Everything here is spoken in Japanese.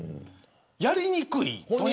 やりにくい。